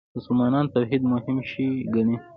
مسلمانان توحید مهم شی ګڼي.